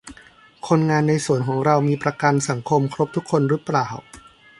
คนงานในสวนของเรามีประกันสังคมครบทุกคนรึเปล่า